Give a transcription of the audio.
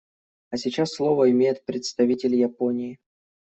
А сейчас слово имеет представитель Японии.